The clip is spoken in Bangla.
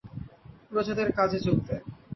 প্রজাদের কাজে যোগ দেয়।